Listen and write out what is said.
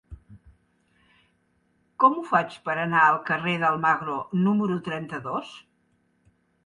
Com ho faig per anar al carrer d'Almagro número trenta-dos?